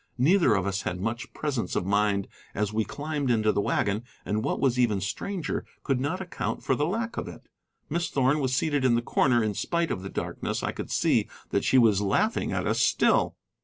Neither of us had much presence of mind as we climbed into the wagon, and, what was even stranger, could not account for the lack of it. Miss Thorn was seated in the corner; in spite of the darkness I could see that she was laughing at us still.